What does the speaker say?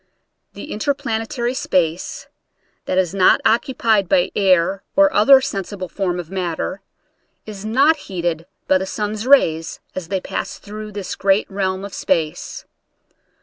The interplanetary space, that is not occupied by the air or other sensible form of matter, is not heated by the sun's rays as they pass through this great realm of space.